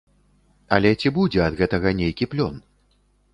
Але ці будзе ад гэтага нейкі плён?